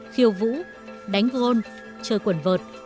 khiêu vũ đánh gôn chơi quẩn vợt